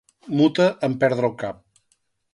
Muta en perdre el cap.